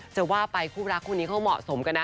จะว่าไปคู่รักคู่นี้เขาเหมาะสมกันนะ